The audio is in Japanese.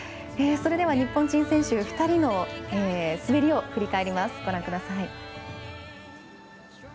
それでは日本人選手２人の滑りを振り返ります。